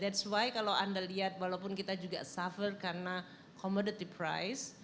that's why kalau anda lihat walaupun kita juga suffer karena commodity price